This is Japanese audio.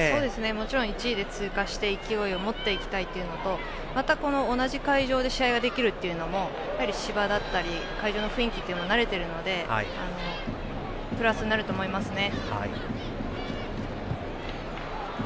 もちろん１位で通過して勢いを持って行きたいというのとあと、同じ会場で試合ができるというのも芝だったり会場の雰囲気も慣れているのでプラスになると思いますね。